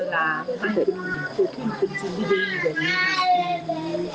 ให้สิ่งที่คุณคุณสิ่งดีเกิดขึ้น